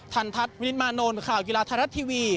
ทันทัศน์วินิตมานนท์ข่าวกีฬาไทยรัฐทีวี